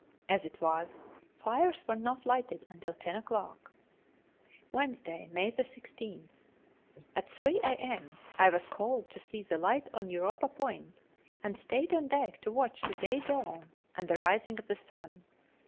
As it was, fires were not lighted until ten o'clock. Wednesday, May 16th. At 3 a.m. I was called to see the light on Europa Point, and stayed on deck to watch the day dawn and the rising of the sun.